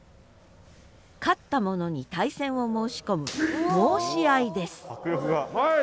勝った者に対戦を申し込む申し合いです。